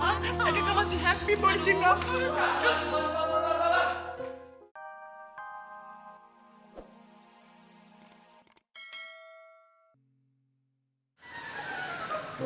hah kue masih happy buat si noh